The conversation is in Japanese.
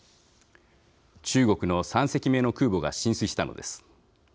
中国の３隻目の空母が進水したのです。